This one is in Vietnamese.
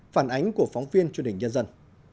phản ánh của phóng viên truyền hình nhân dân